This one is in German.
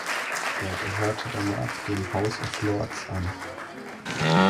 Er gehörte danach dem House of Lords an.